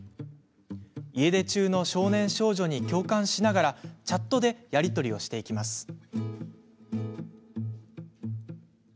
家出中の少年少女に共感しながらチャットでやり取りをしていきます。